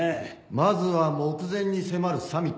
まずは目前に迫るサミット。